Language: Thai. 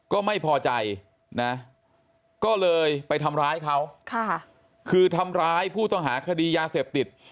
ก็ไม่พอใจนะก็เลยไปทำร้ายเขาคือทำร้ายผู้ต้องหาคดียาเสพติด